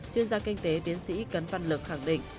chuyên gia kinh tế tiến sĩ cấn văn lực khẳng định